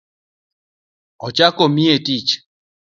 Ochako omiye tich